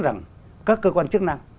rằng các cơ quan chức năng